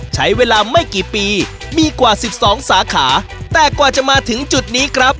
ใช้เวลาไม่กี่ปีมีกว่าสิบสองสาขาแต่กว่าจะมาถึงจุดนี้ครับ